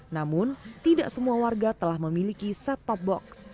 namun tidak semua warga telah memiliki set top box